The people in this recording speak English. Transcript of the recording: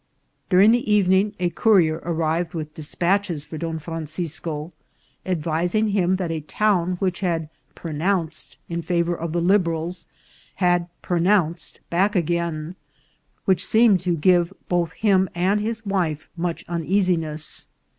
During the evening a courier arrived with despatches for Don Francisco, advising him that a town which had " pronounced" in favour of the Liberals had pronounced back again, which seemed to give both him and his wife much uneasiness.